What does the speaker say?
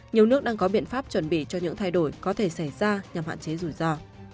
nhiều nước đang có biện pháp chuẩn bị cho những thay đổi có thể xảy ra nhằm hạn chế rủi ro